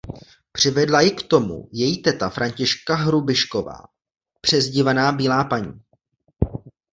Přivedla ji k tomu její teta Františka Hrubišková přezdívaná Bílá paní.